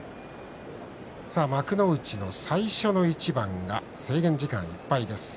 幕内の最初の一番が制限時間いっぱいです。